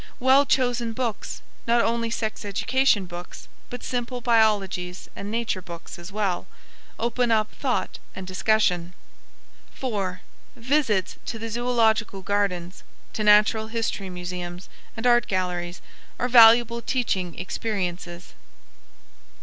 Well chosen books, not only sex education books, but simple biologies and Nature books as well, open up thought and discussion. 4. Visits to the zoological gardens, to natural history museums and art galleries, are valuable teaching experiences.